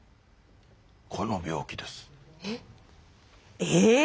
この病気です。え？